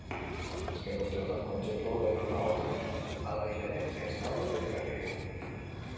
Azken urteotan kontzeptu hau denon ahotan badabil ere, ez da batere berria.